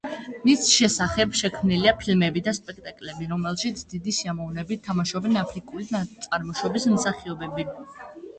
მის შესახებ შექმნილია ფილმები და სპექტაკლები, რომელშიც დიდი სიამოვნებით თამაშობენ აფრიკული წარმოშობის მსახიობები.